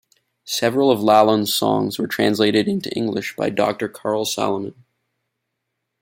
Several of Lalon's songs were translated into English by Doctor Carol Salomon.